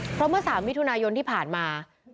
เพราะเมื่อ๓มิถุนายนที่ผ่านมา